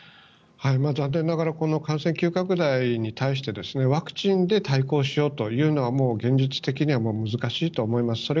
残念ながら感染急拡大に対してワクチンで対抗しようというのはもう現実的には難しいと思います。